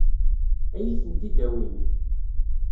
Ad iyi-tent-id-awin?